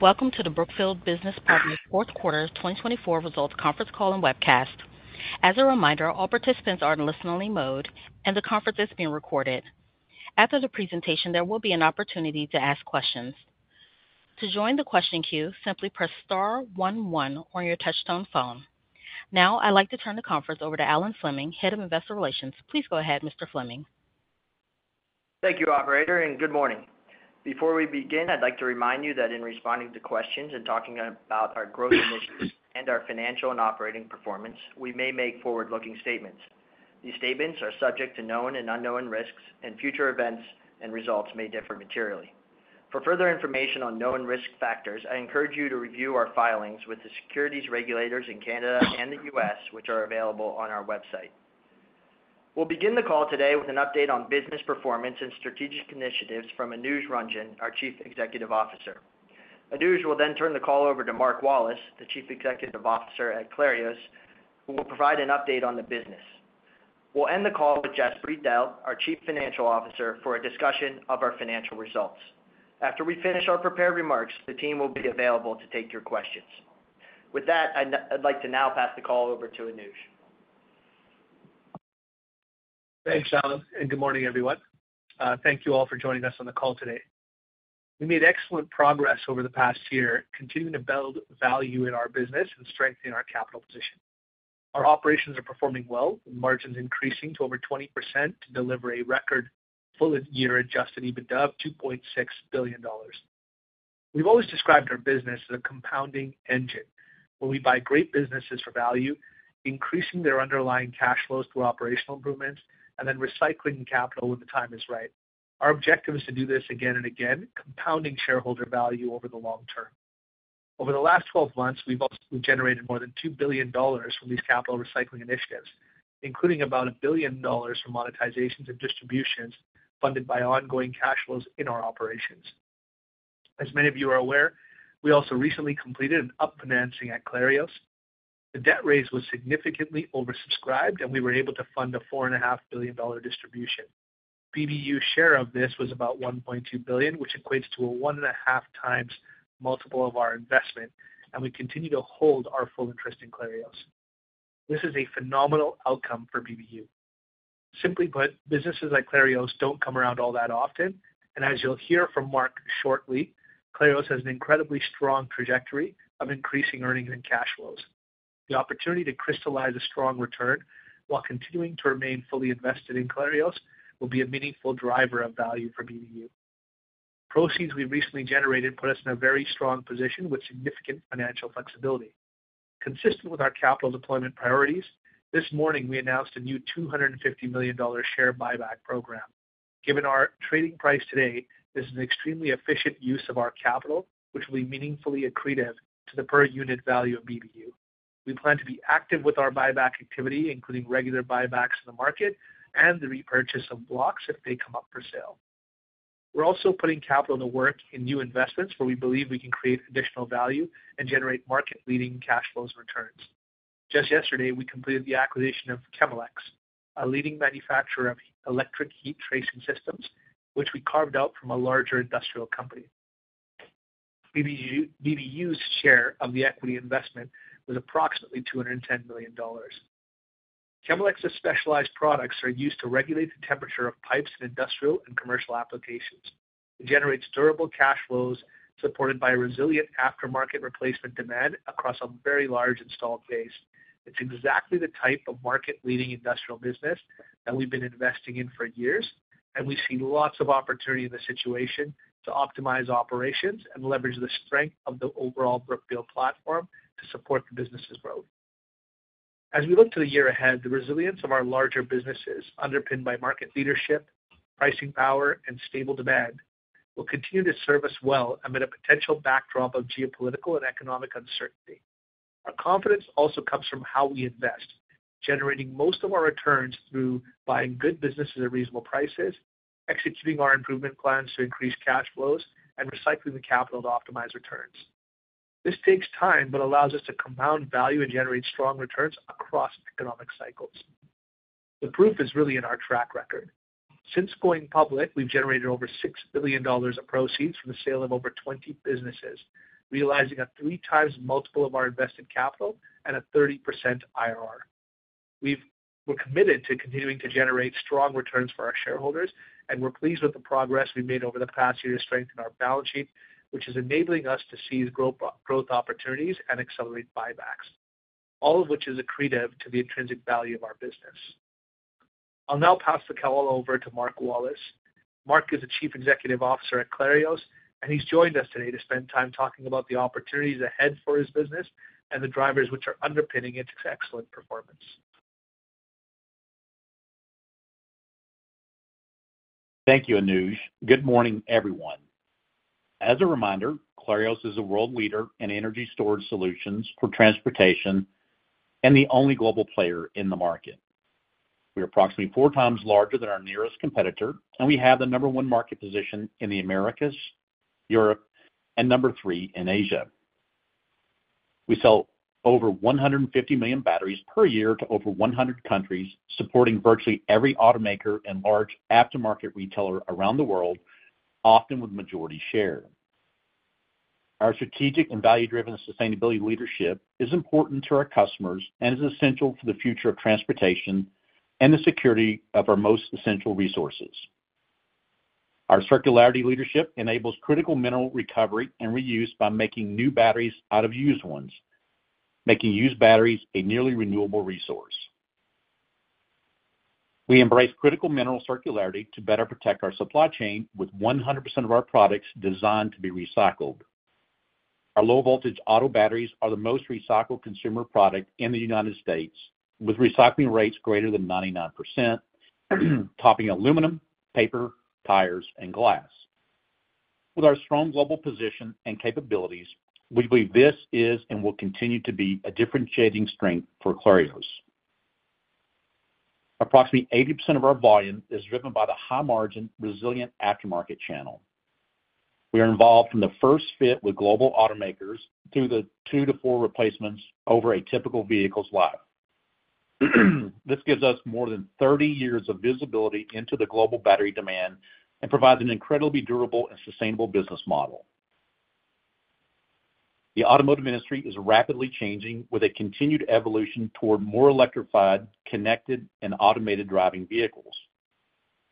Welcome to the Brookfield Business Partners Fourth Quarter 2024 Results Conference Call and Webcast. As a reminder, all participants are in listen-only mode, and the conference is being recorded. After the presentation, there will be an opportunity to ask questions. To join the question queue, simply press star one one on your touch-tone phone. Now, I'd like to turn the conference over to Alan Fleming, Head of Investor Relations. Please go ahead, Mr. Fleming. Thank you, Operator, and good morning. Before we begin, I'd like to remind you that in responding to questions and talking about our growth initiatives and our financial and operating performance, we may make forward-looking statements. These statements are subject to known and unknown risks, and future events and results may differ materially. For further information on known risk factors, I encourage you to review our filings with the securities regulators in Canada and the U.S., which are available on our website. We'll begin the call today with an update on business performance and strategic initiatives from Anuj Ranjan, our Chief Executive Officer. Anuj will then turn the call over to Mark Wallace, the Chief Executive Officer at Clarios, who will provide an update on the business. We'll end the call with Jaspreet Dehl, our Chief Financial Officer, for a discussion of our financial results. After we finish our prepared remarks, the team will be available to take your questions. With that, I'd like to now pass the call over to Anuj. Thanks, Alan, and good morning, everyone. Thank you all for joining us on the call today. We made excellent progress over the past year, continuing to build value in our business and strengthening our capital position. Our operations are performing well, with margins increasing to over 20% to deliver a record full-year Adjusted EBITDA of $2.6 billion. We've always described our business as a compounding engine, where we buy great businesses for value, increasing their underlying cash flows through operational improvements, and then recycling capital when the time is right. Our objective is to do this again and again, compounding shareholder value over the long term. Over the last 12 months, we've also generated more than $2 billion from these capital recycling initiatives, including about $1 billion from monetizations and distributions funded by ongoing cash flows in our operations. As many of you are aware, we also recently completed a refinancing at Clarios. The debt raised was significantly oversubscribed, and we were able to fund a $4.5 billion distribution. BBU's share of this was about $1.2 billion, which equates to a 1.5x multiple of our investment, and we continue to hold our full interest in Clarios. This is a phenomenal outcome for BBU. Simply put, businesses like Clarios don't come around all that often, and as you'll hear from Mark shortly, Clarios has an incredibly strong trajectory of increasing earnings and cash flows. The opportunity to crystallize a strong return while continuing to remain fully invested in Clarios will be a meaningful driver of value for BBU. The proceeds we've recently generated put us in a very strong position with significant financial flexibility. Consistent with our capital deployment priorities, this morning we announced a new $250 million share buyback program. Given our trading price today, this is an extremely efficient use of our capital, which will be meaningfully accretive to the per-unit value of BBU. We plan to be active with our buyback activity, including regular buybacks in the market and the repurchase of blocks if they come up for sale. We're also putting capital to work in new investments where we believe we can create additional value and generate market-leading cash flows and returns. Just yesterday, we completed the acquisition of Chemelex, a leading manufacturer of electric heat tracing systems, which we carved out from a larger industrial company. BBU's share of the equity investment was approximately $210 million. Chemelex's specialized products are used to regulate the temperature of pipes in industrial and commercial applications. It generates durable cash flows supported by resilient aftermarket replacement demand across a very large installed base. It's exactly the type of market-leading industrial business that we've been investing in for years, and we see lots of opportunity in the situation to optimize operations and leverage the strength of the overall Brookfield platform to support the business's growth. As we look to the year ahead, the resilience of our larger businesses, underpinned by market leadership, pricing power, and stable demand, will continue to serve us well amid a potential backdrop of geopolitical and economic uncertainty. Our confidence also comes from how we invest, generating most of our returns through buying good businesses at reasonable prices, executing our improvement plans to increase cash flows, and recycling the capital to optimize returns. This takes time but allows us to compound value and generate strong returns across economic cycles. The proof is really in our track record. Since going public, we've generated over $6 billion of proceeds from the sale of over 20 businesses, realizing a three-times multiple of our invested capital and a 30% IRR. We're committed to continuing to generate strong returns for our shareholders, and we're pleased with the progress we've made over the past year to strengthen our balance sheet, which is enabling us to seize growth opportunities and accelerate buybacks, all of which is accretive to the intrinsic value of our business. I'll now pass the call over to Mark Wallace. Mark is a Chief Executive Officer at Clarios, and he's joined us today to spend time talking about the opportunities ahead for his business and the drivers which are underpinning its excellent performance. Thank you, Anuj. Good morning, everyone. As a reminder, Clarios is a world leader in energy storage solutions for transportation and the only global player in the market. We're approximately four times larger than our nearest competitor, and we have the number one market position in the Americas, Europe, and number three in Asia. We sell over 150 million batteries per year to over 100 countries, supporting virtually every automaker and large aftermarket retailer around the world, often with majority share. Our strategic and value-driven sustainability leadership is important to our customers and is essential for the future of transportation and the security of our most essential resources. Our circularity leadership enables critical mineral recovery and reuse by making new batteries out of used ones, making used batteries a nearly renewable resource. We embrace critical mineral circularity to better protect our supply chain with 100% of our products designed to be recycled. Our low-voltage auto batteries are the most recycled consumer product in the United States, with recycling rates greater than 99%, topping aluminum, paper, tires, and glass. With our strong global position and capabilities, we believe this is and will continue to be a differentiating strength for Clarios. Approximately 80% of our volume is driven by the high-margin, resilient aftermarket channel. We are involved from the first fit with global automakers through the two to four replacements over a typical vehicle's life. This gives us more than 30 years of visibility into the global battery demand and provides an incredibly durable and sustainable business model. The automotive industry is rapidly changing with a continued evolution toward more electrified, connected, and automated driving vehicles.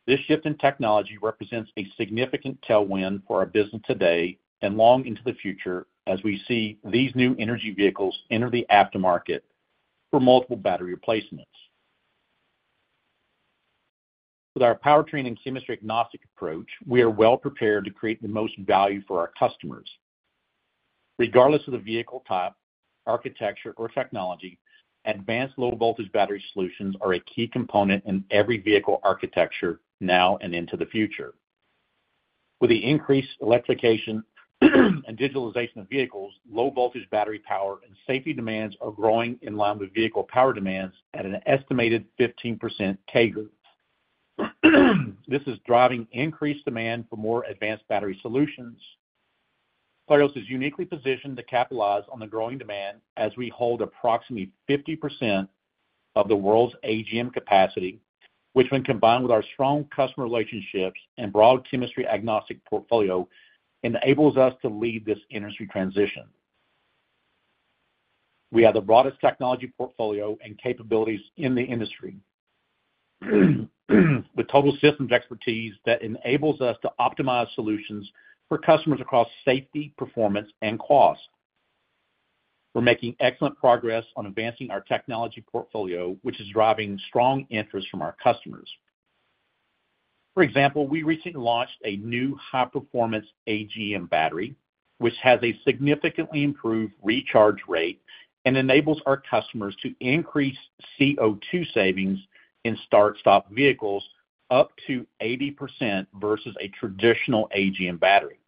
This shift in technology represents a significant tailwind for our business today and long into the future as we see these new energy vehicles enter the aftermarket for multiple battery replacements. With our powertrain and chemistry-agnostic approach, we are well prepared to create the most value for our customers. Regardless of the vehicle type, architecture, or technology, advanced low-voltage battery solutions are a key component in every vehicle architecture now and into the future. With the increased electrification and digitalization of vehicles, low-voltage battery power and safety demands are growing in line with vehicle power demands at an estimated 15% CAGR. This is driving increased demand for more advanced battery solutions. Clarios is uniquely positioned to capitalize on the growing demand as we hold approximately 50% of the world's AGM capacity, which, when combined with our strong customer relationships and broad chemistry-agnostic portfolio, enables us to lead this industry transition. We have the broadest technology portfolio and capabilities in the industry, with total systems expertise that enables us to optimize solutions for customers across safety, performance, and cost. We're making excellent progress on advancing our technology portfolio, which is driving strong interest from our customers. For example, we recently launched a new high-performance AGM battery, which has a significantly improved recharge rate and enables our customers to increase CO2 savings in start-stop vehicles up to 80% versus a traditional AGM battery.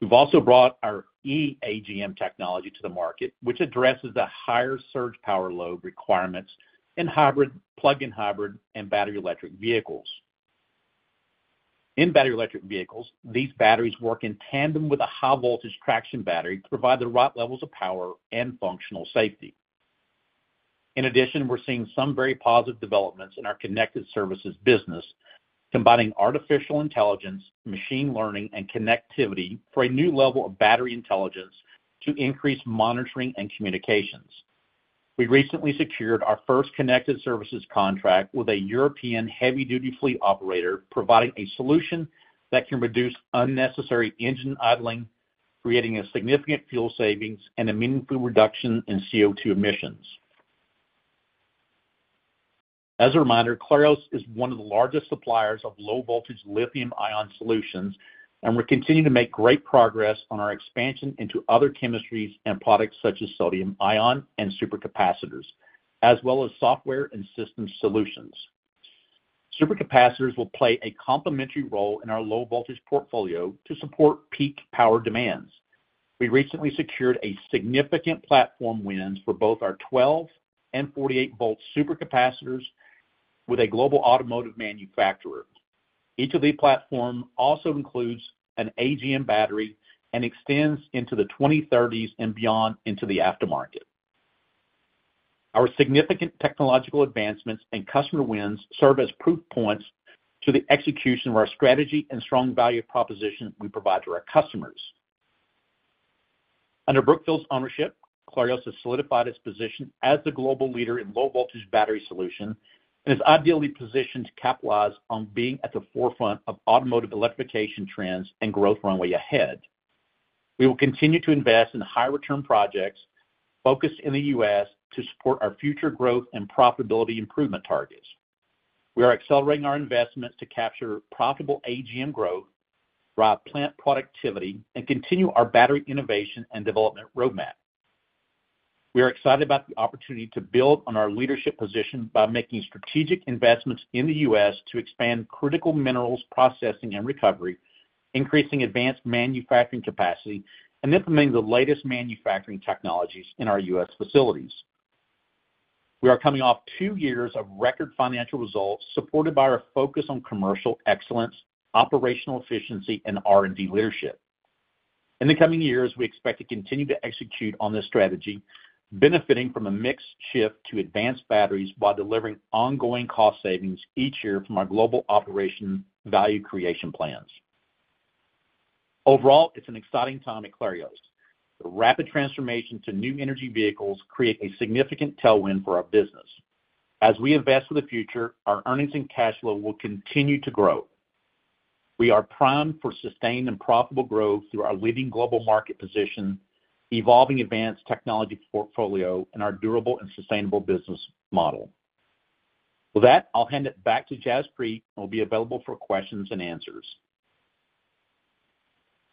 We've also brought our eAGM technology to the market, which addresses the higher surge power load requirements in hybrid, plug-in hybrid, and battery-electric vehicles. In battery-electric vehicles, these batteries work in tandem with a high-voltage traction battery to provide the right levels of power and functional safety. In addition, we're seeing some very positive developments in our connected services business, combining artificial intelligence, machine learning, and connectivity for a new level of battery intelligence to increase monitoring and communications. We recently secured our first connected services contract with a European heavy-duty fleet operator, providing a solution that can reduce unnecessary engine idling, creating significant fuel savings, and a meaningful reduction in CO2 emissions. As a reminder, Clarios is one of the largest suppliers of low-voltage lithium-ion solutions, and we're continuing to make great progress on our expansion into other chemistries and products such as sodium-ion and supercapacitors, as well as software and systems solutions. Supercapacitors will play a complementary role in our low-voltage portfolio to support peak power demands. We recently secured significant platform wins for both our 12-volt and 48-volt supercapacitors with a global automotive manufacturer. Each of these platforms also includes an AGM battery and extends into the 2030s and beyond into the aftermarket. Our significant technological advancements and customer wins serve as proof points to the execution of our strategy and strong value proposition we provide to our customers. Under Brookfield's ownership, Clarios has solidified its position as the global leader in low-voltage battery solution and is ideally positioned to capitalize on being at the forefront of automotive electrification trends and growth runway ahead. We will continue to invest in high-return projects focused in the U.S. to support our future growth and profitability improvement targets. We are accelerating our investments to capture profitable AGM growth, drive plant productivity, and continue our battery innovation and development roadmap. We are excited about the opportunity to build on our leadership position by making strategic investments in the U.S. to expand critical minerals processing and recovery, increasing advanced manufacturing capacity, and implementing the latest manufacturing technologies in our U.S. facilities. We are coming off two years of record financial results, supported by our focus on commercial excellence, operational efficiency, and R&D leadership. In the coming years, we expect to continue to execute on this strategy, benefiting from a mixed shift to advanced batteries while delivering ongoing cost savings each year from our global operation value creation plans. Overall, it's an exciting time at Clarios. The rapid transformation to new energy vehicles creates a significant tailwind for our business. As we invest for the future, our earnings and cash flow will continue to grow. We are primed for sustained and profitable growth through our leading global market position, evolving advanced technology portfolio, and our durable and sustainable business model. With that, I'll hand it back to Jaspreet and will be available for questions and answers.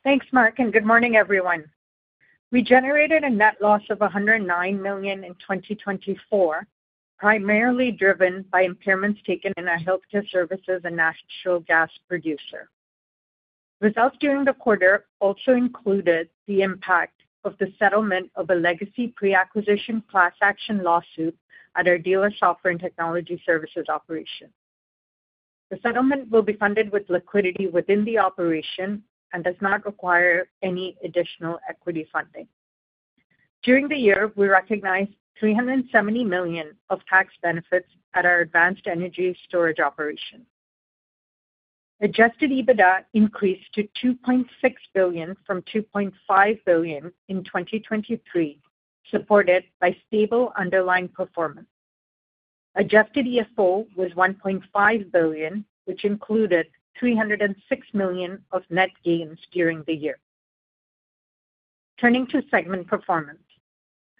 Thanks, Mark, and good morning, everyone. We generated a net loss of $109 million in 2024, primarily driven by impairments taken in a healthcare services and natural gas producer. Results during the quarter also included the impact of the settlement of a legacy pre-acquisition class action lawsuit at our dealer software and technology services operation. The settlement will be funded with liquidity within the operation and does not require any additional equity funding. During the year, we recognized $370 million of tax benefits at our advanced energy storage operation. Adjusted EBITDA increased to $2.6 billion from $2.5 billion in 2023, supported by stable underlying performance. Adjusted EFO was $1.5 billion, which included $306 million of net gains during the year. Turning to segment performance,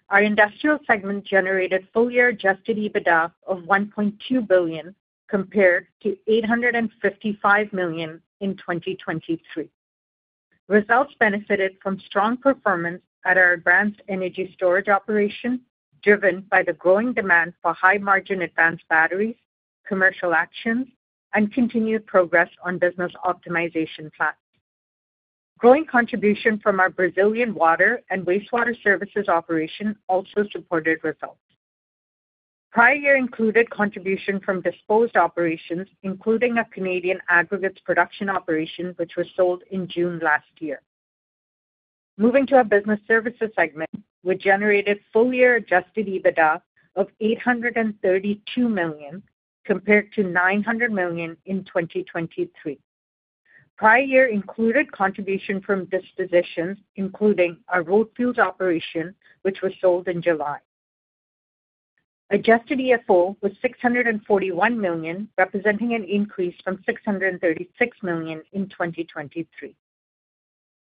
our industrial segment generated full-year adjusted EBITDA of $1.2 billion compared to $855 million in 2023. Results benefited from strong performance at our advanced energy storage operation, driven by the growing demand for high-margin advanced batteries, commercial actions, and continued progress on business optimization plans. Growing contribution from our Brazilian water and wastewater services operation also supported results. Prior year included contribution from disposed operations, including a Canadian aggregates production operation, which was sold in June last year. Moving to our business services segment, we generated full-year Adjusted EBITDA of $832 million compared to $900 million in 2023. Prior year included contribution from dispositions, including our road fuels operation, which was sold in July. Adjusted EFO was $641 million, representing an increase from $636 million in 2023.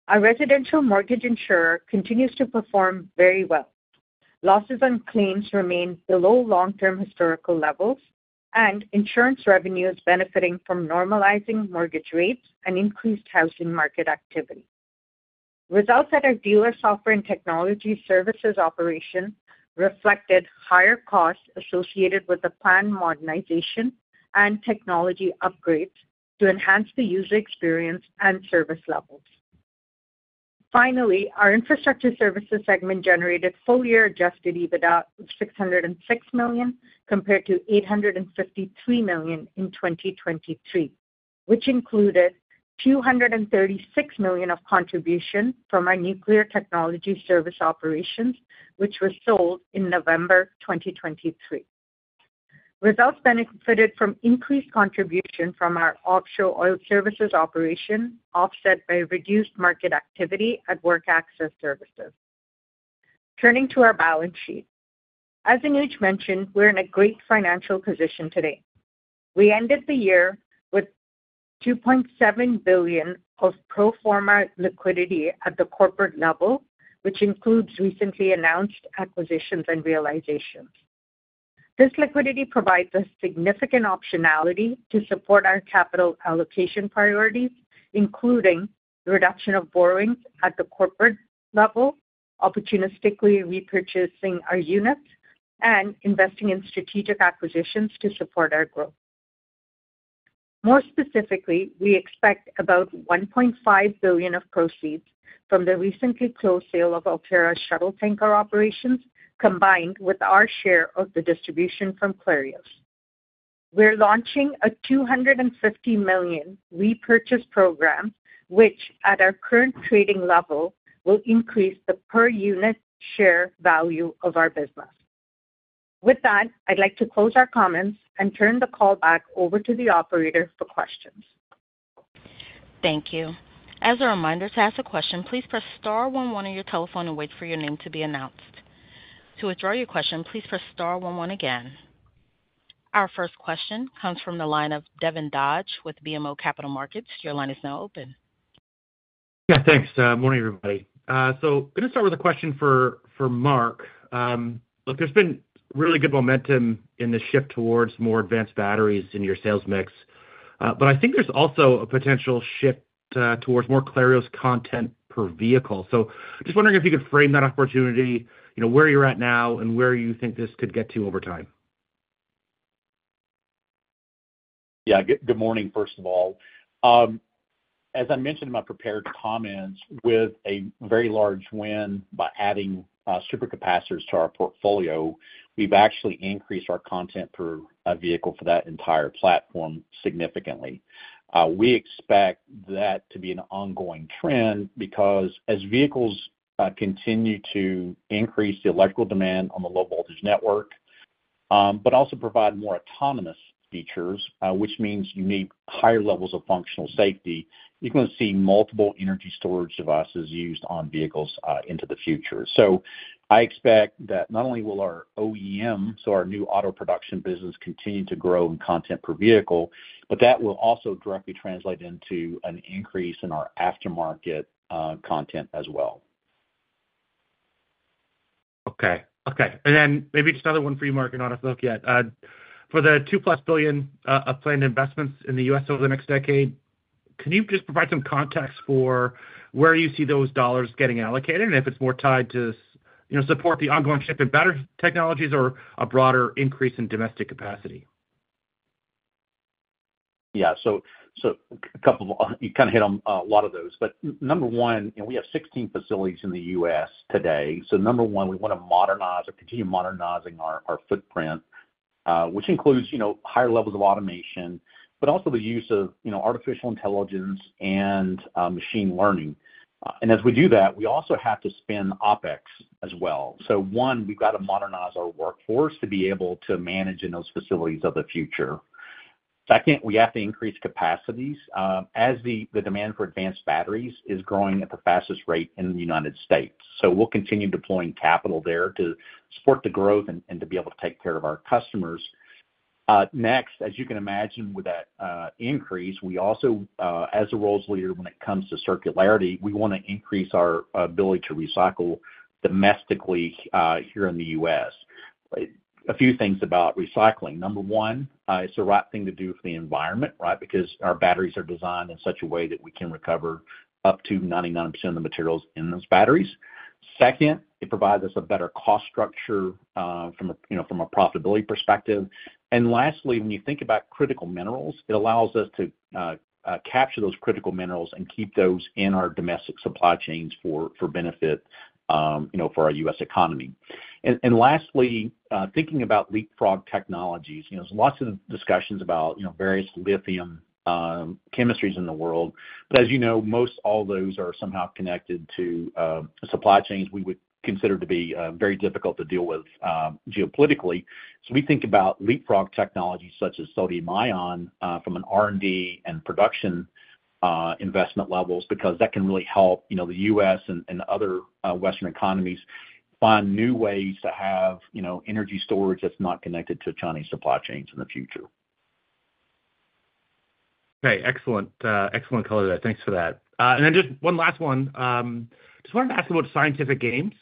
Our residential mortgage insurer continues to perform very well. Losses on claims remain below long-term historical levels, and insurance revenues benefiting from normalizing mortgage rates and increased housing market activity. Results at our dealer software and technology services operation reflected higher costs associated with the plan modernization and technology upgrades to enhance the user experience and service levels. Finally, our infrastructure services segment generated full-year Adjusted EBITDA of $606 million compared to $853 million in 2023, which included $236 million of contribution from our nuclear technology service operations, which was sold in November 2023. Results benefited from increased contribution from our offshore oil services operation, offset by reduced market activity at work access services. Turning to our balance sheet, as Anuj mentioned, we're in a great financial position today. We ended the year with $2.7 billion of pro forma liquidity at the corporate level, which includes recently announced acquisitions and realizations. This liquidity provides us significant optionality to support our capital allocation priorities, including the reduction of borrowings at the corporate level, opportunistically repurchasing our units, and investing in strategic acquisitions to support our growth. More specifically, we expect about $1.5 billion of proceeds from the recently closed sale of Altera Shuttle Tankers operations, combined with our share of the distribution from Clarios. We're launching a $250 million repurchase program, which, at our current trading level, will increase the per-unit share value of our business. With that, I'd like to close our comments and turn the call back over to the operator for questions. Thank you. As a reminder to ask a question, please press star one one on your telephone and wait for your name to be announced. To withdraw your question, please press star one one again. Our first question comes from the line of Devin Dodge with BMO Capital Markets. Your line is now open. Yeah, thanks. Good morning, everybody. So I'm going to start with a question for Mark. Look, there's been really good momentum in the shift towards more advanced batteries in your sales mix, but I think there's also a potential shift towards more Clarios content per vehicle. So just wondering if you could frame that opportunity, where you're at now and where you think this could get to over time? Yeah, good morning, first of all. As I mentioned in my prepared comments, with a very large win by adding supercapacitors to our portfolio, we've actually increased our content per vehicle for that entire platform significantly. We expect that to be an ongoing trend because, as vehicles continue to increase the electrical demand on the low-voltage network, but also provide more autonomous features, which means you need higher levels of functional safety, you're going to see multiple energy storage devices used on vehicles into the future. So I expect that not only will our OEM, so our new auto production business, continue to grow in content per vehicle, but that will also directly translate into an increase in our aftermarket content as well. Okay. Okay. And then maybe just another one for you, Mark, and I'll just look at for the $2+ billion of planned investments in the U.S. over the next decade, can you just provide some context for where you see those dollars getting allocated and if it's more tied to support the ongoing shift in battery technologies or a broader increase in domestic capacity? Yeah. So a couple of you kind of hit on a lot of those. But number one, we have 16 facilities in the U.S. today. So number one, we want to modernize or continue modernizing our footprint, which includes higher levels of automation, but also the use of artificial intelligence and machine learning. And as we do that, we also have to spend OpEx as well. So one, we've got to modernize our workforce to be able to manage in those facilities of the future. Second, we have to increase capacities as the demand for advanced batteries is growing at the fastest rate in the United States. So we'll continue deploying capital there to support the growth and to be able to take care of our customers. Next, as you can imagine with that increase, we also, as a world's leader, when it comes to circularity, we want to increase our ability to recycle domestically here in the U.S. A few things about recycling. Number one, it's the right thing to do for the environment, right? Because our batteries are designed in such a way that we can recover up to 99% of the materials in those batteries. Second, it provides us a better cost structure from a profitability perspective. And lastly, when you think about critical minerals, it allows us to capture those critical minerals and keep those in our domestic supply chains for the benefit of our U.S. economy. And lastly, thinking about leapfrog technologies, there's lots of discussions about various lithium chemistries in the world. But as you know, most all those are somehow connected to supply chains we would consider to be very difficult to deal with geopolitically. So we think about leapfrog technologies such as sodium ion from an R&D and production investment levels because that can really help the U.S. and other Western economies find new ways to have energy storage that's not connected to Chinese supply chains in the future. Okay. Excellent. Excellent color there. Thanks for that. And then just one last one. Just wanted to ask about Scientific Games.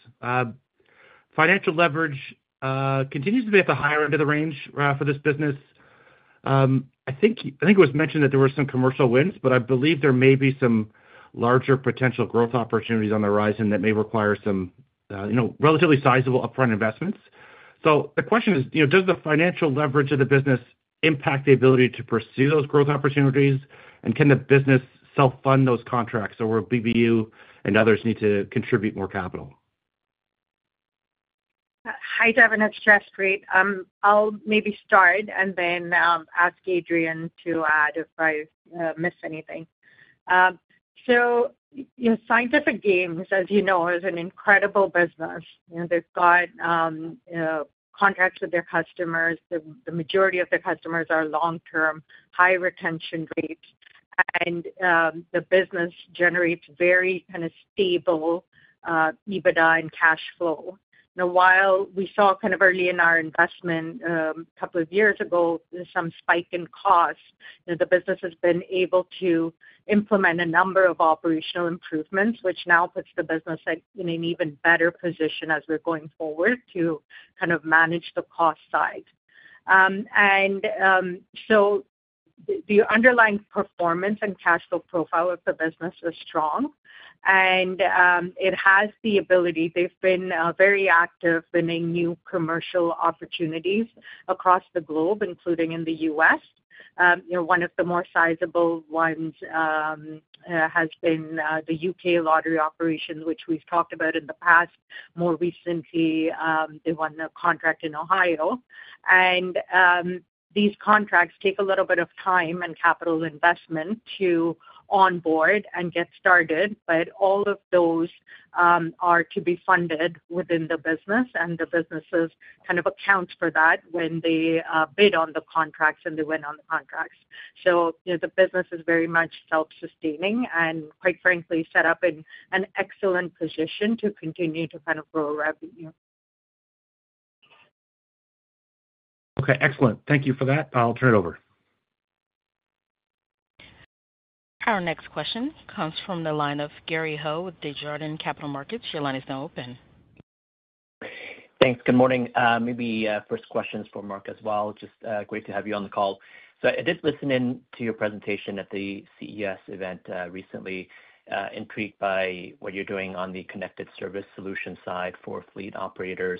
Financial leverage continues to be at the higher end of the range for this business. I think it was mentioned that there were some commercial wins, but I believe there may be some larger potential growth opportunities on the horizon that may require some relatively sizable upfront investments. So the question is, does the financial leverage of the business impact the ability to pursue those growth opportunities? And can the business self-fund those contracts or will BBU and others need to contribute more capital? Hi, Devin. It's Jaspreet. I'll maybe start and then ask Adrian to add if I missed anything. So Scientific Games, as you know, is an incredible business. They've got contracts with their customers. The majority of their customers are long-term, high retention rates. And the business generates very kind of stable EBITDA and cash flow. Now, while we saw kind of early in our investment a couple of years ago, there's some spike in cost, the business has been able to implement a number of operational improvements, which now puts the business in an even better position as we're going forward to kind of manage the cost side. And so the underlying performance and cash flow profile of the business is strong. And it has the ability. They've been very active in a new commercial opportunities across the globe, including in the U.S. One of the more sizable ones has been the U.K. lottery operations, which we've talked about in the past. More recently, they won a contract in Ohio. And these contracts take a little bit of time and capital investment to onboard and get started. But all of those are to be funded within the business. And the businesses kind of account for that when they bid on the contracts and they win on the contracts. So the business is very much self-sustaining and, quite frankly, set up in an excellent position to continue to kind of grow revenue. Okay. Excellent. Thank you for that. I'll turn it over. Our next question comes from the line of Gary Ho with Desjardins Capital Markets. Your line is now open. Thanks. Good morning. Maybe first questions for Mark as well. Just great to have you on the call. So I did listen in to your presentation at the CES event recently, intrigued by what you're doing on the connected service solution side for fleet operators.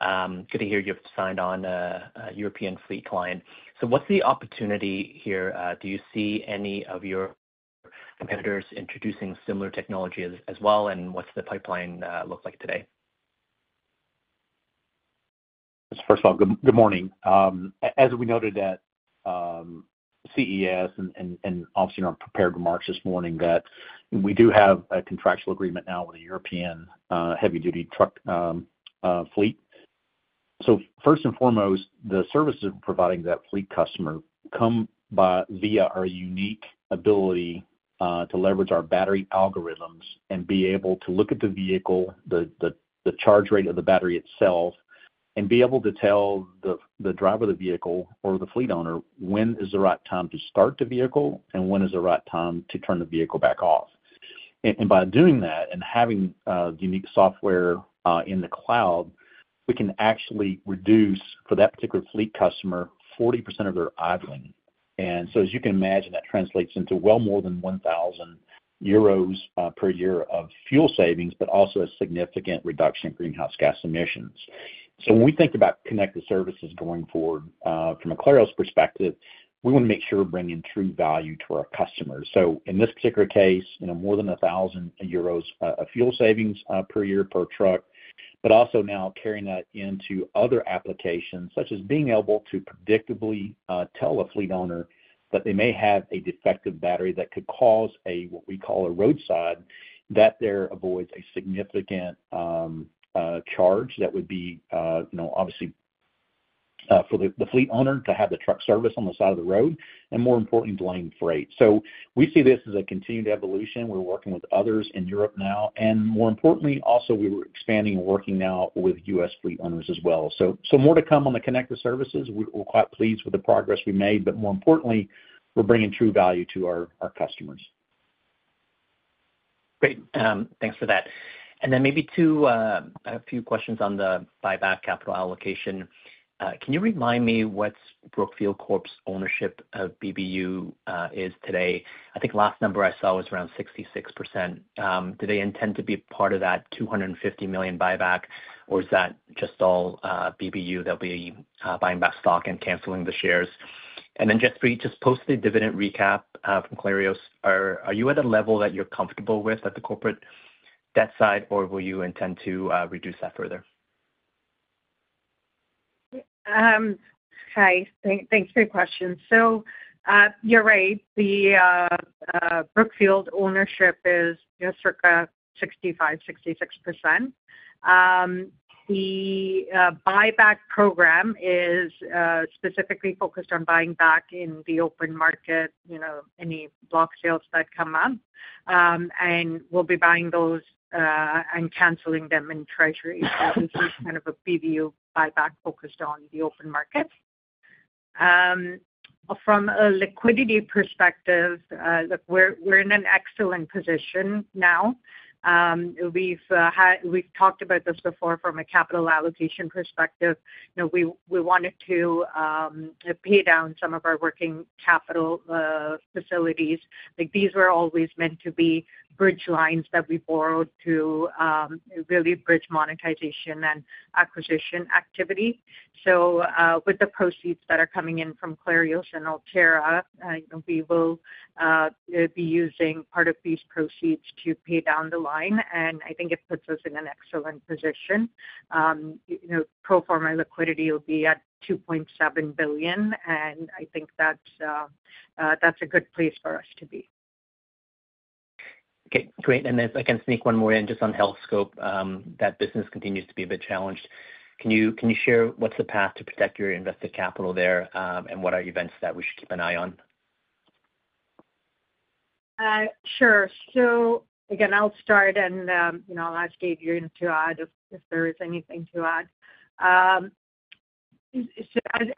Good to hear you've signed on a European fleet client. So what's the opportunity here? Do you see any of your competitors introducing similar technology as well? And what's the pipeline look like today? First of all, good morning. As we noted at CES and also in our prepared remarks this morning, that we do have a contractual agreement now with a European heavy-duty truck fleet. So first and foremost, the services we're providing that fleet customer come via our unique ability to leverage our battery algorithms and be able to look at the vehicle, the charge rate of the battery itself, and be able to tell the driver of the vehicle or the fleet owner when is the right time to start the vehicle and when is the right time to turn the vehicle back off. And by doing that and having unique software in the cloud, we can actually reduce for that particular fleet customer 40% of their idling. And so as you can imagine, that translates into well more than 1,000 euros per year of fuel savings, but also a significant reduction in greenhouse gas emissions. So when we think about connected services going forward, from a Clarios perspective, we want to make sure we're bringing true value to our customers. So in this particular case, more than 1,000 euros of fuel savings per year per truck, but also now carrying that into other applications such as being able to predictably tell a fleet owner that they may have a defective battery that could cause what we call a roadside, that there avoids a significant charge that would be obviously for the fleet owner to have the truck service on the side of the road and, more importantly, delaying freight. So we see this as a continued evolution. We're working with others in Europe now. And more importantly, also we were expanding and working now with U.S. fleet owners as well. So more to come on the connected services. We're quite pleased with the progress we made. But more importantly, we're bringing true value to our customers. Great. Thanks for that. And then maybe a few questions on the buyback capital allocation. Can you remind me what Brookfield Corp's ownership of BBU is today? I think last number I saw was around 66%. Do they intend to be part of that $250 million buyback, or is that just all BBU? They'll be buying back stock and canceling the shares. And then Jaspreet, just post the dividend recap from Clarios. Are you at a level that you're comfortable with at the corporate debt side, or will you intend to reduce that further? Hi. Thanks for your question. So you're right. The Brookfield ownership is circa 65%-66%. The buyback program is specifically focused on buying back in the open market, any block sales that come up. And we'll be buying those and canceling them in treasury. So this is kind of a BBU buyback focused on the open market. From a liquidity perspective, look, we're in an excellent position now. We've talked about this before from a capital allocation perspective. We wanted to pay down some of our working capital facilities. These were always meant to be bridge lines that we borrowed to really bridge monetization and acquisition activity. So with the proceeds that are coming in from Clarios and Altera, we will be using part of these proceeds to pay down the line. And I think it puts us in an excellent position. Pro forma liquidity will be at $2.7 billion. I think that's a good place for us to be. Okay. Great. And if I can sneak one more in just on Healthscope, that business continues to be a bit challenged. Can you share what's the path to protect your invested capital there and what are events that we should keep an eye on? Sure. So again, I'll start and I'll ask Adrian to add if there is anything to add.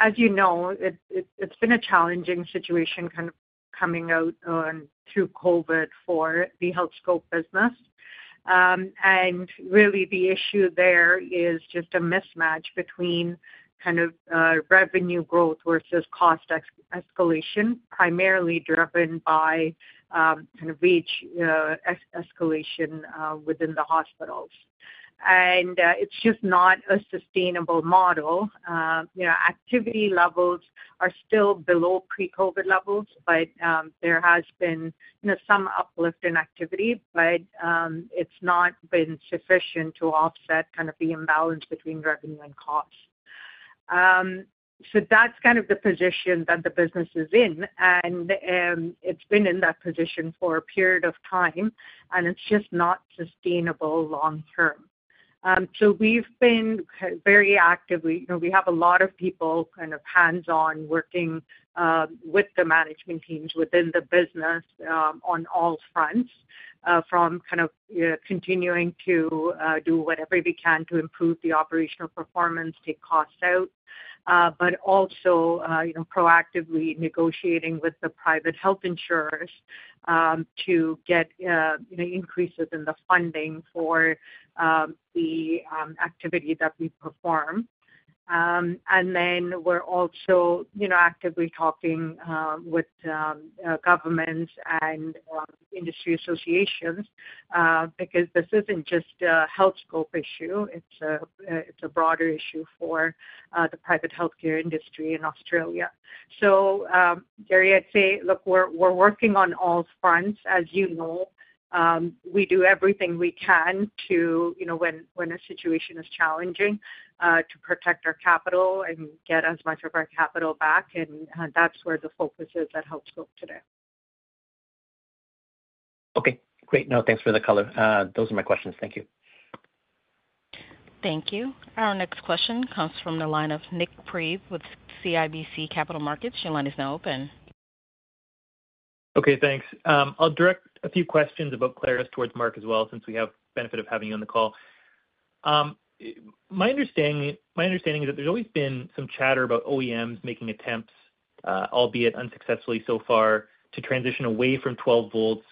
As you know, it's been a challenging situation kind of coming out through COVID for the Healthscope business. And really, the issue there is just a mismatch between kind of revenue growth versus cost escalation, primarily driven by kind of escalation within the hospitals. And it's just not a sustainable model. Activity levels are still below pre-COVID levels, but there has been some uplift in activity, but it's not been sufficient to offset kind of the imbalance between revenue and cost. So that's kind of the position that the business is in. And it's been in that position for a period of time, and it's just not sustainable long-term. So we've been very active. We have a lot of people kind of hands-on working with the management teams within the business on all fronts, from kind of continuing to do whatever we can to improve the operational performance, take costs out, but also proactively negotiating with the private health insurers to get increases in the funding for the activity that we perform, and then we're also actively talking with governments and industry associations because this isn't just a Healthscope issue. It's a broader issue for the private healthcare industry in Australia, so Gary, I'd say, look, we're working on all fronts. As you know, we do everything we can when a situation is challenging to protect our capital and get as much of our capital back, and that's where the focus is at Healthscope today. Okay. Great. No, thanks for the color. Those are my questions. Thank you. Thank you. Our next question comes from the line of Nik Priebe with CIBC Capital Markets. Your line is now open. Okay. Thanks. I'll direct a few questions about Clarios towards Mark as well since we have the benefit of having you on the call. My understanding is that there's always been some chatter about OEMs making attempts, albeit unsuccessfully so far, to transition away from 12 volts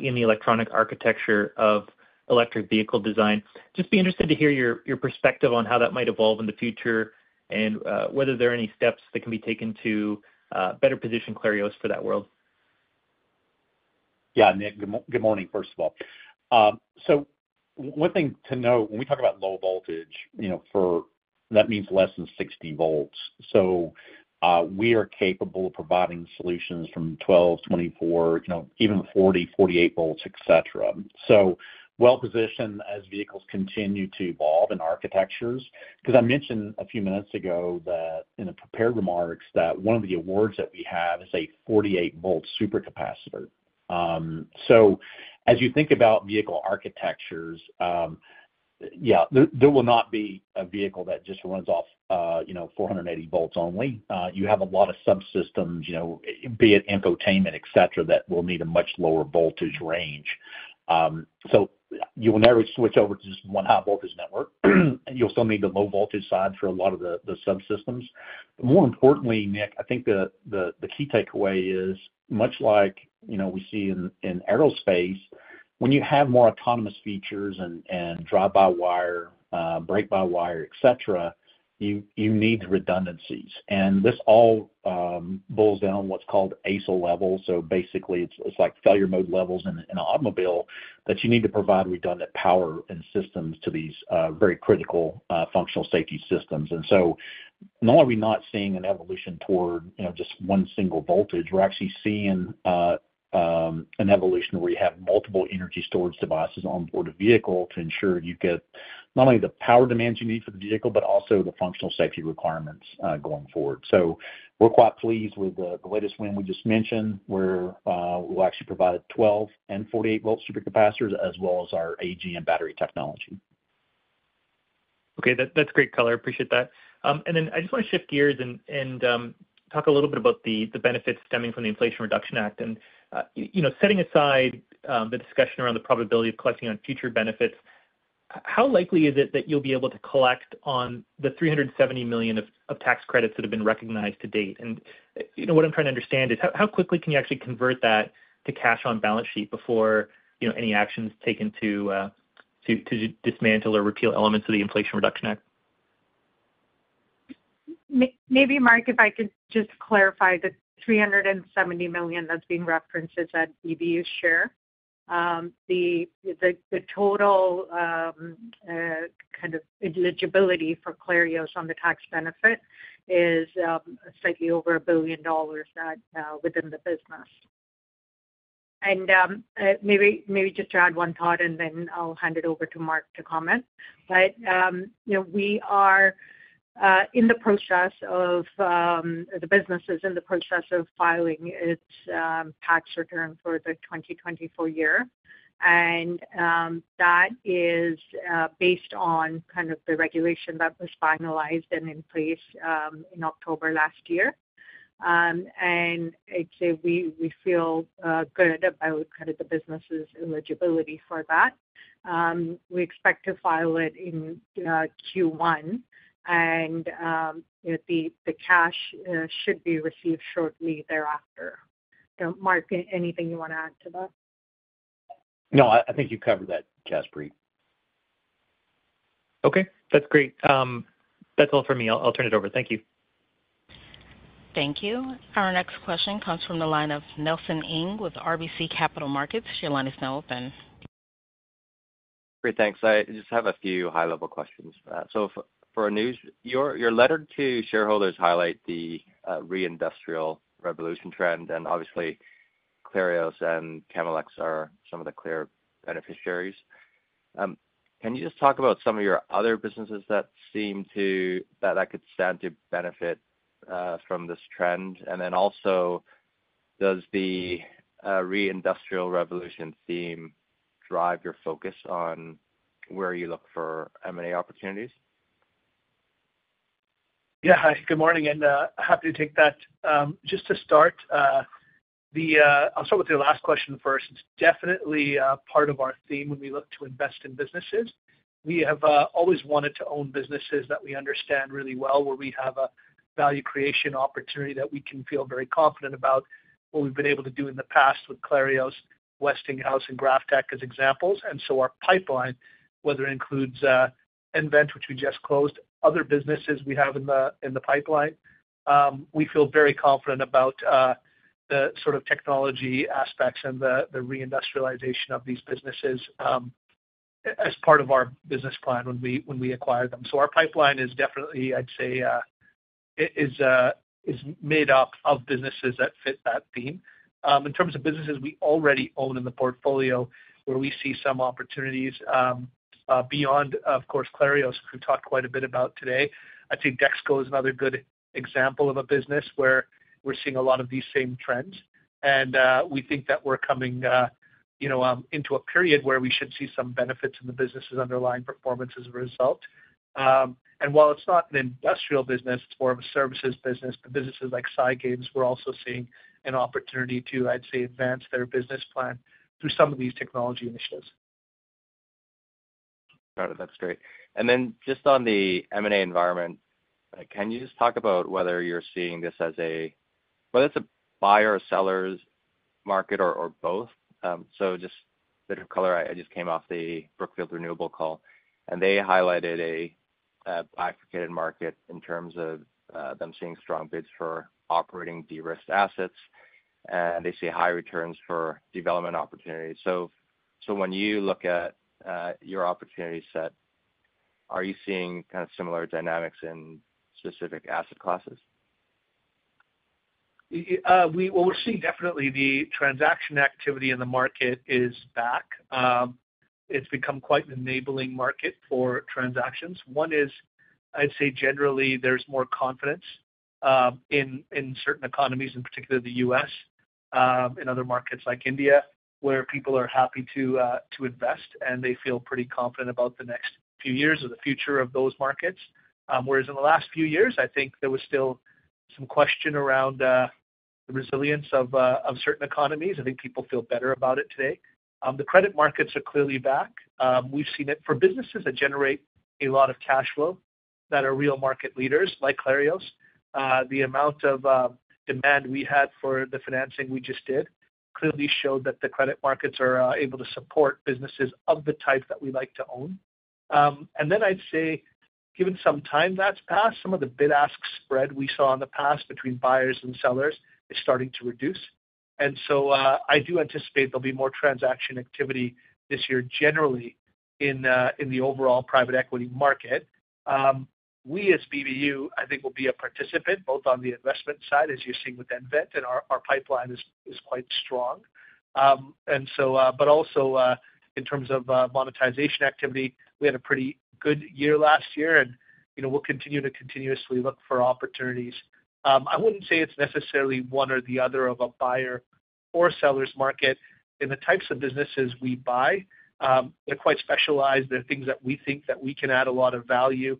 in the electronic architecture of electric vehicle design. Just be interested to hear your perspective on how that might evolve in the future and whether there are any steps that can be taken to better position Clarios for that world. Yeah. Nik, good morning, first of all. So one thing to note, when we talk about low voltage, that means less than 60 volts. So we are capable of providing solutions from 12, 24, even 40, 48 volts, etc. So well-positioned as vehicles continue to evolve in architectures. Because I mentioned a few minutes ago that in a prepared remarks that one of the awards that we have is a 48-volt supercapacitor. So as you think about vehicle architectures, yeah, there will not be a vehicle that just runs off 480 volts only. You have a lot of subsystems, be it infotainment, etc., that will need a much lower voltage range. So you will never switch over to just one high-voltage network. You'll still need the low-voltage side for a lot of the subsystems. But more importantly, Nik, I think the key takeaway is, much like we see in aerospace, when you have more autonomous features and drive-by-wire, brake-by-wire, etc., you need redundancies. And this all boils down to what's called ASIL levels. So basically, it's like failure mode levels in an automobile that you need to provide redundant power and systems to these very critical functional safety systems. And so not only are we not seeing an evolution toward just one single voltage, we're actually seeing an evolution where you have multiple energy storage devices onboard a vehicle to ensure you get not only the power demands you need for the vehicle, but also the functional safety requirements going forward. So we're quite pleased with the latest one we just mentioned, where we'll actually provide 12-volt and 48-volt supercapacitors as well as our AGM battery technology. Okay. That's great color. Appreciate that, and then I just want to shift gears and talk a little bit about the benefits stemming from the Inflation Reduction Act, and setting aside the discussion around the probability of collecting on future benefits, how likely is it that you'll be able to collect on the $370 million of tax credits that have been recognized to date, and what I'm trying to understand is how quickly can you actually convert that to cash on balance sheet before any action is taken to dismantle or repeal elements of the Inflation Reduction Act? Maybe, Mark, if I could just clarify the $370 million that's being referenced as that BBU share. The total kind of eligibility for Clarios on the tax benefit is slightly over $1 billion within the business. And maybe just to add one thought, and then I'll hand it over to Mark to comment. But we are in the process of filing its tax return for the 2024 year. And that is based on kind of the regulation that was finalized and in place in October last year. And I'd say we feel good about kind of the business's eligibility for that. We expect to file it in Q1, and the cash should be received shortly thereafter. Mark, anything you want to add to that? No, I think you covered that, Jaspreet. Okay. That's great. That's all for me. I'll turn it over. Thank you. Thank you. Our next question comes from the line of Nelson Ng with RBC Capital Markets. Your line is now open. Great. Thanks. I just have a few high-level questions for that. So, for Anuj, your letter to shareholders highlights the reindustrial revolution trend. And obviously, Clarios and Chemelex are some of the clear beneficiaries. Can you just talk about some of your other businesses that could stand to benefit from this trend? And then also, does the reindustrial revolution theme drive your focus on where you look for M&A opportunities? Yeah. Hi. Good morning. And happy to take that. Just to start, I'll start with the last question first. It's definitely part of our theme when we look to invest in businesses. We have always wanted to own businesses that we understand really well, where we have a value creation opportunity that we can feel very confident about what we've been able to do in the past with Clarios, Westinghouse, and GrafTech as examples. And so our pipeline, whether it includes nVent, which we just closed, other businesses we have in the pipeline, we feel very confident about the sort of technology aspects and the reindustrialization of these businesses as part of our business plan when we acquire them. So our pipeline is definitely, I'd say, is made up of businesses that fit that theme. In terms of businesses we already own in the portfolio, where we see some opportunities beyond, of course, Clarios, who we've talked quite a bit about today. I'd say DexKo is another good example of a business where we're seeing a lot of these same trends. And we think that we're coming into a period where we should see some benefits in the business's underlying performance as a result. And while it's not an industrial business, it's more of a services business, the businesses like Scientific Games were also seeing an opportunity to, I'd say, advance their business plan through some of these technology initiatives. Got it. That's great. And then just on the M&A environment, can you just talk about whether you're seeing this as a whether it's a buyer or seller's market or both? So just a bit of color. I just came off the Brookfield Renewable call, and they highlighted a bifurcated market in terms of them seeing strong bids for operating de-risked assets, and they see high returns for development opportunities. So when you look at your opportunity set, are you seeing kind of similar dynamics in specific asset classes? We're seeing definitely the transaction activity in the market is back. It's become quite an enabling market for transactions. One is, I'd say, generally, there's more confidence in certain economies, in particular the U.S., in other markets like India, where people are happy to invest, and they feel pretty confident about the next few years or the future of those markets. Whereas in the last few years, I think there was still some question around the resilience of certain economies. I think people feel better about it today. The credit markets are clearly back. We've seen it for businesses that generate a lot of cash flow that are real market leaders like Clarios. The amount of demand we had for the financing we just did clearly showed that the credit markets are able to support businesses of the type that we like to own. And then I'd say, given some time that's passed, some of the bid-ask spread we saw in the past between buyers and sellers is starting to reduce. And so I do anticipate there'll be more transaction activity this year generally in the overall private equity market. We as BBU, I think, will be a participant both on the investment side, as you're seeing with nVent, and our pipeline is quite strong. But also in terms of monetization activity, we had a pretty good year last year, and we'll continue to continuously look for opportunities. I wouldn't say it's necessarily one or the other of a buyer or seller's market. In the types of businesses we buy, they're quite specialized. There are things that we think that we can add a lot of value.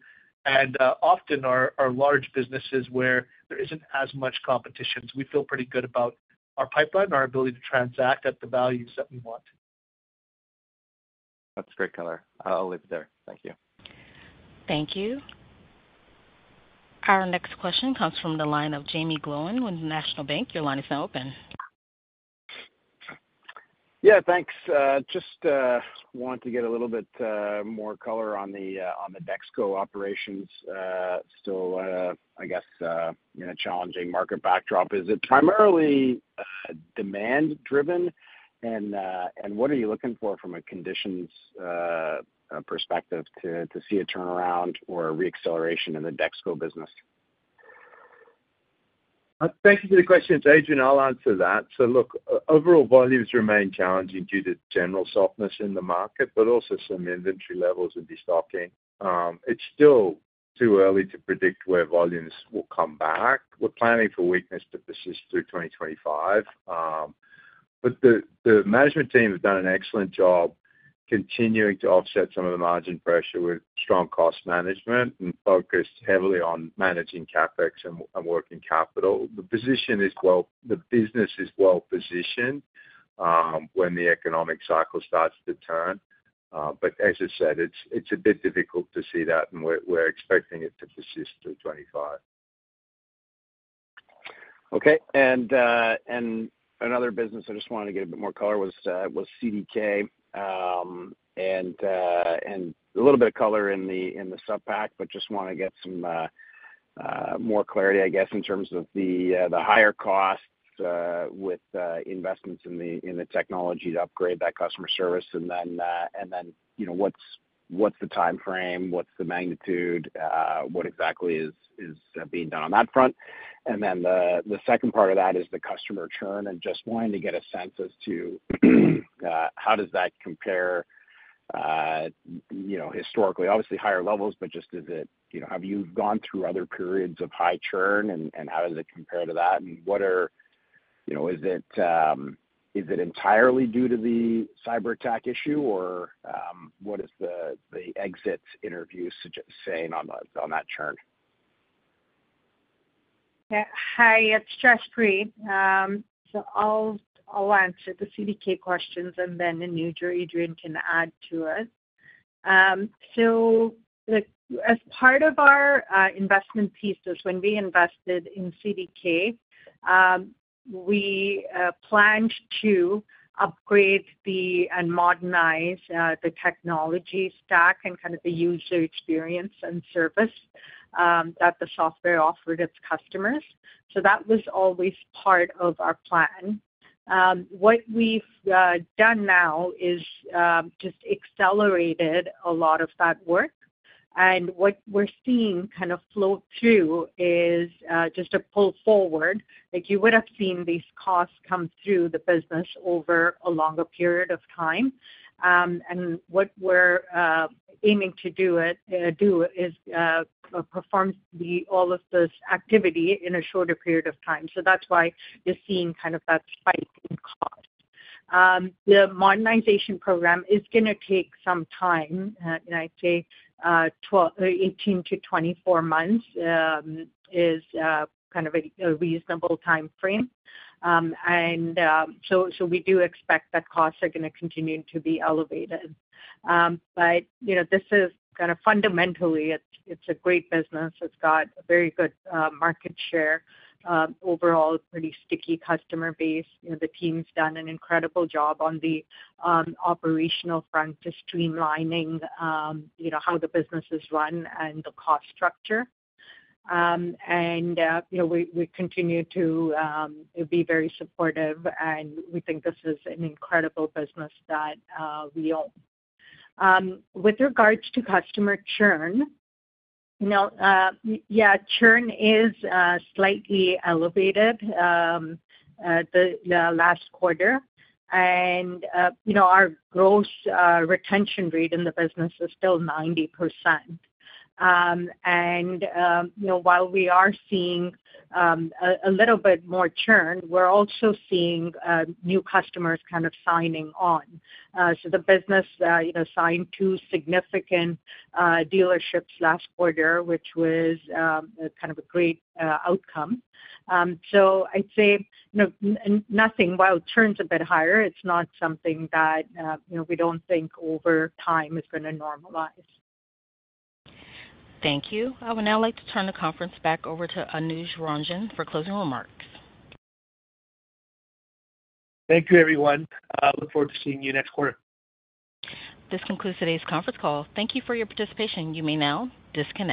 Often, our large businesses where there isn't as much competition, so we feel pretty good about our pipeline, our ability to transact at the values that we want. That's great color. I'll leave it there. Thank you. Thank you. Our next question comes from the line of Jaeme Gloyn with National Bank Financial. Your line is now open. Yeah. Thanks. Just wanted to get a little bit more color on the DexKo operations. Still, I guess, in a challenging market backdrop, is it primarily demand-driven? And what are you looking for from a conditions perspective to see a turnaround or a reacceleration in the DexKo business? Thank you for the question. Adrian, I'll answer that. So look, overall volumes remain challenging due to general softness in the market, but also some inventory levels and destocking. It's still too early to predict where volumes will come back. We're planning for weakness to persist through 2025. But the management team have done an excellent job continuing to offset some of the margin pressure with strong cost management and focused heavily on managing CapEx and working capital. The business is well-positioned when the economic cycle starts to turn. But as I said, it's a bit difficult to see that, and we're expecting it to persist through 2025. Okay. And another business I just wanted to get a bit more color was CDK and a little bit of color in the Sup Pack, but just want to get some more clarity, I guess, in terms of the higher costs with investments in the technology to upgrade that customer service. And then what's the timeframe? What's the magnitude? What exactly is being done on that front? And then the second part of that is the customer churn. And just wanting to get a sense as to how does that compare historically? Obviously, higher levels, but just have you gone through other periods of high churn, and how does it compare to that? And is it entirely due to the cyberattack issue, or what is the exit interview saying on that churn? Hi. It's Jaspreet. So I'll answer the CDK questions, and then Anuj or Adrian can add to it. So as part of our investment pieces, when we invested in CDK, we planned to upgrade and modernize the technology stack and kind of the user experience and service that the software offered its customers. So that was always part of our plan. What we've done now is just accelerated a lot of that work. And what we're seeing kind of flow through is just a pull forward. You would have seen these costs come through the business over a longer period of time. And what we're aiming to do is perform all of this activity in a shorter period of time. So that's why you're seeing kind of that spike in cost. The modernization program is going to take some time. I'd say 18months-24 months is kind of a reasonable timeframe, and so we do expect that costs are going to continue to be elevated, but this is kind of fundamentally, it's a great business. It's got a very good market share. Overall, pretty sticky customer base. The team's done an incredible job on the operational front, just streamlining how the business is run and the cost structure, and we continue to be very supportive, and we think this is an incredible business that we own. With regards to customer churn, yeah, churn is slightly elevated the last quarter, and our gross retention rate in the business is still 90%. And while we are seeing a little bit more churn, we're also seeing new customers kind of signing on, so the business signed two significant dealerships last quarter, which was kind of a great outcome. So I'd say nothing while churn's a bit higher. It's not something that we don't think over time is going to normalize. Thank you. I would now like to turn the conference back over to Anuj Ranjan for closing remarks. Thank you, everyone. I look forward to seeing you next quarter. This concludes today's conference call. Thank you for your participation. You may now disconnect.